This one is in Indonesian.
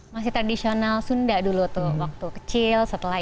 masih tradisional sunda dulu tuh waktu kecil setelah itu